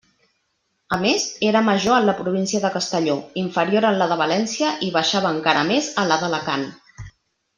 A més, era major en la província de Castelló, inferior en la de València i baixava encara més a la d'Alacant.